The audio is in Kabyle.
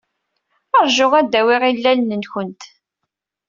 Ṛju ad d-awiɣ ilalen-nwent.